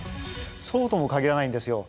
そうとも限らないんですよ。